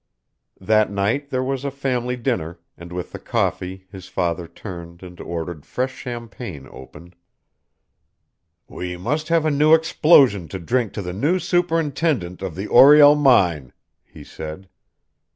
That night there was a family dinner, and with the coffee his father turned and ordered fresh champagne opened. "We must have a new explosion to drink to the new superintendent of the Oriel mine," he said.